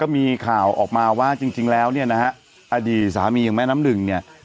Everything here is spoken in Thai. มีข่าวออกมาว่าจริงแล้วเนี่ยนะฮะอดีตสามีอย่างแม่น้ำหนึ่งเนี่ย